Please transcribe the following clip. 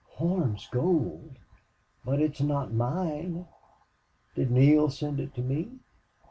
Horn's gold! But it's not mine! Did Neale send it to me?"